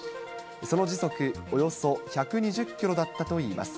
その時速およそ１２０キロだったといいます。